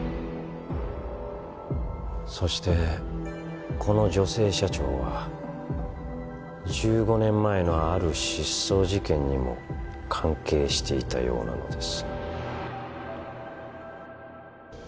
そしてこの女性社長は１５年前のある失踪事件にも関係していたようなのです